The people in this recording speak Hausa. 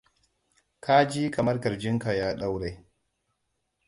ka ji kamar kirjin ka ya ɗaure